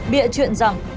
bịa chuyện rằng